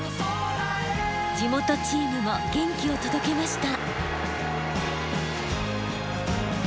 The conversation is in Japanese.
地元チームも元気を届けました。